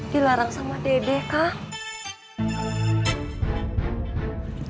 dilarang sama dede kang